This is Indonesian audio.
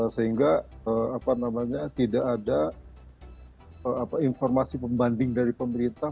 sehingga tidak ada informasi pembanding dari pemerintah